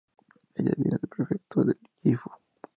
Ella viene de Prefectura de Gifu.